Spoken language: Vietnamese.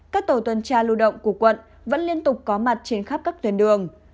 các tổ tuần tra lưu động của quận vẫn liên tục có mặt trên khắp các tuyến đường